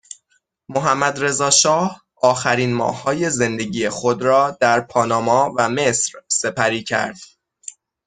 محمدرضا شاه آخرین ماههای زندگی خود را در پاناما و مصر سپری کرد